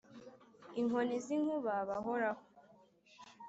Inkoni z' inkuba bahoraho.